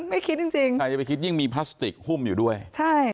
ไม่คิดจริงจริงใครจะไปคิดยิ่งมีพลาสติกหุ้มอยู่ด้วยใช่